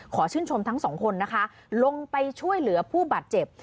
ชื่นชมทั้งสองคนนะคะลงไปช่วยเหลือผู้บาดเจ็บ